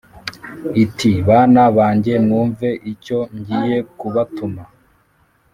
iti « bana banjye mwumve icyo ngiye kubatuma.